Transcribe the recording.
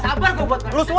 sabar gue buat kalian